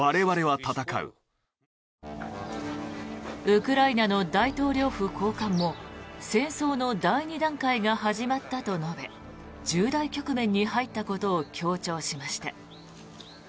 ウクライナの大統領府高官も戦争の第２段階が始まったと述べ重大局面に入ったことを強調しました。